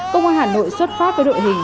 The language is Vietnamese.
công an hà nội xuất phát với đội hình